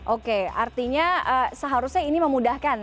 oke artinya seharusnya ini memudahkan